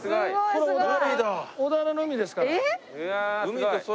これ小田原の海ですから。